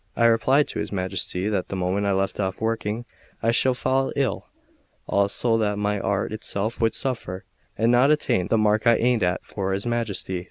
I replied to his Majesty that the moment I left off working I should fall ill; also that my art itself would suffer, and not attain the mark I aimed at for his Majesty.